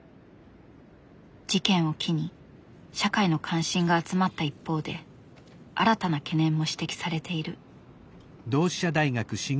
事件を機に社会の関心が集まった一方で新たな懸念も指摘されている。